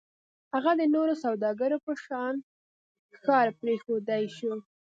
هغه د نورو سوداګرو په شان ښار پرېښودای شو.